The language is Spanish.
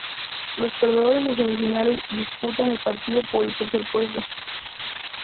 Los perdedores de semifinales disputaban el partido por el tercer puesto.